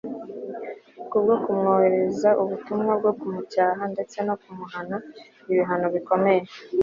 kubwo kumwohorereza ubutumwa bwo kumucyaha ndetse no kumuhana ibihano bikomeye